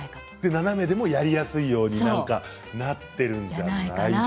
斜めでもやりやすいようになっているんじゃないかと。